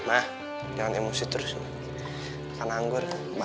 jangan emosi terus kan anggur mbak